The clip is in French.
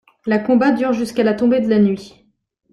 La combat dure jusqu'à la tombée de la nuit.